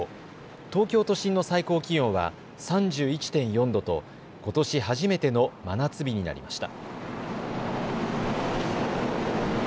東京都心の最高気温は３１．４度とことし初めての真夏日になりました。